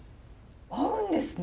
合うんですね！